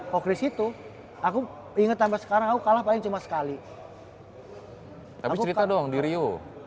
pokris itu aku inget sampai sekarang aku kalah paling cuma sekali tapi cerita dong di rio